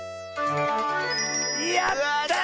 やった！